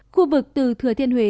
khu vực từ thừa thiên huế